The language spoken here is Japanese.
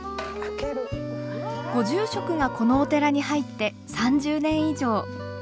ご住職がこのお寺に入って３０年以上。